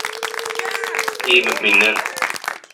И, мөэминнәр!